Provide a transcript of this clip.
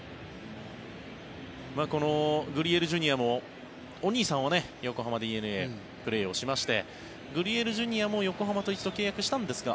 グリエルＪｒ．もお兄さんは横浜ＤｅＮＡでプレーをしましてグリエルＪｒ．も横浜と一度、契約したんですが。